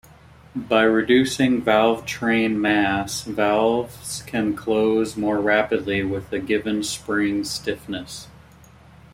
By reducing valvetrain mass, valves can close more rapidly with a given spring stiffness.